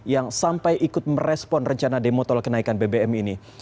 yang sampai ikut merespon rencana demo tol kenaikan bbm ini